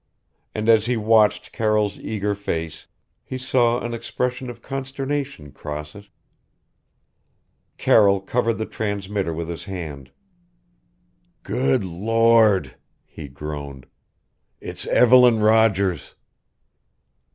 And as he watched Carroll's eager face he saw an expression of consternation cross it. Carroll covered the transmitter with his hand "Good Lord!" he groaned, "it's Evelyn Rogers!"